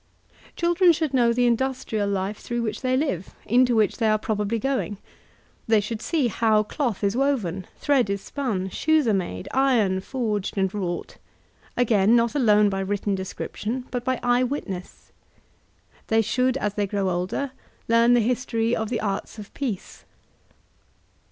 Children should know the industrial life through which they live, into which they are probably going. Tbey should see how cloth is woven, thread is spun, shoes are made, iron forged and wrought ; again not alone by writ t^ description, but by eye witness. They should, as tbey grow older, learn the history of the arts of peace.